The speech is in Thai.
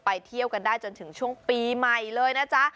เที่ยวกันได้จนถึงช่วงปีใหม่เลยนะจ๊ะ